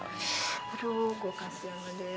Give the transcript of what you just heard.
aduh gue kasihan aja ya